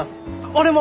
俺も！